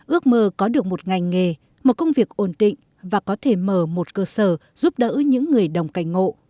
ước mơ có được một ngành nghề một công việc ổn định và có thể mở một cơ sở giúp đỡ những người đồng cành ngộ